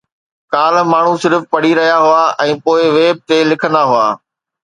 ڪالهه، ماڻهو صرف پڙهي رهيا هئا ۽ پوءِ ويب تي لکندا هئا